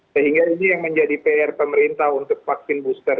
sehingga ini yang menjadi pr pemerintah untuk vaksin booster